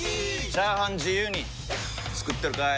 チャーハン自由に作ってるかい！？